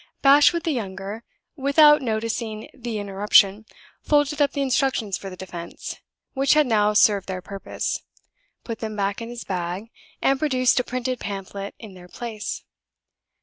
Bashwood the younger, without noticing the interruption, folded up the Instructions for the Defense, which had now served their purpose, put them back in his bag, and produced a printed pamphlet in their place.